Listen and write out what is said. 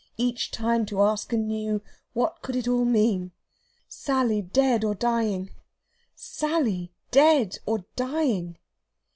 Each time to ask anew, what could it all mean? Sally dead or dying Sally dead or dying!